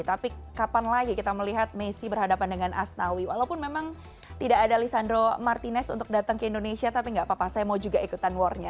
tapi kapan lagi kita melihat messi berhadapan dengan asnawi walaupun memang tidak ada lisandro martinez untuk datang ke indonesia tapi nggak apa apa saya mau juga ikutan warnya